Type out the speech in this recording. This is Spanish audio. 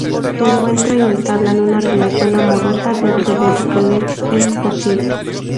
Se encuentran y entablan una relación amorosa, dentro de lo que les es posible.